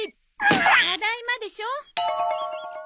ただいまでしょ。